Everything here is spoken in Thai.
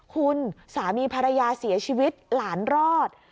คุณสามีภรรยาเสียชีวิตหลานรอด